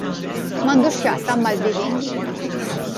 M'għandux x'jaqsam mal-bidding.